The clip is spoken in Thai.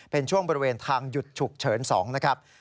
เป็นช่วงบริเวณทางหยุดฉุกเฉิน๒นะครับ